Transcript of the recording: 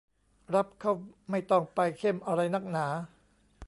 รับเข้าไม่ต้องไปเข้มอะไรนักหนา